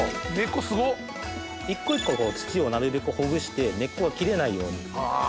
一個一個土をなるべくほぐして根っこが切れないように。